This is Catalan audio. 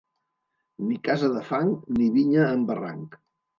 Ni casa de fang ni vinya en barranc.